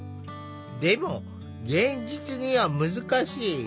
でも現実には難しい。